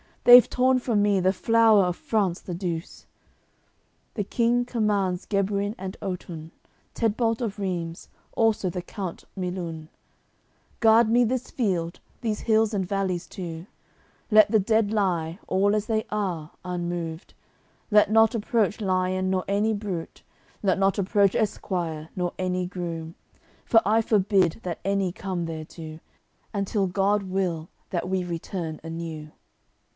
They've torn from me the flower of France the Douce." The King commands Gebuin and Otun, Tedbalt of Reims, also the count Milun: "Guard me this field, these hills and valleys too, Let the dead lie, all as they are, unmoved, Let not approach lion, nor any brute, Let not approach esquire, nor any groom; For I forbid that any come thereto, Until God will that we return anew."